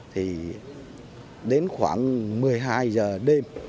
thì đến khoảng một mươi hai giờ đêm tức là gần hai mươi bốn giờ ngày cùng ngày